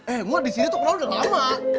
eh gue disini tuh perahu udah lama